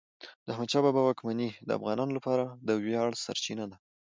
د احمدشاه بابا واکمني د افغانانو لپاره د ویاړ سرچینه ده.